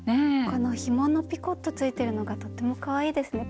このひものピコットついてるのがとってもかわいいですね。